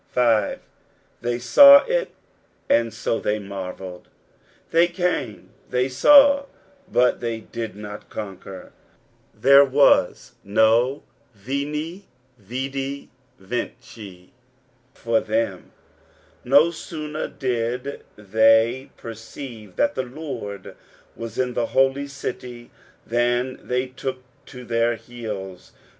6. " They »aw it, and *a Chey marteUed." They came, they saw, but they did not conquer. There was no «eni, tidi, ein for them. No sooner did they perceive that the Lord was in the Holy City, than thej took to their heels.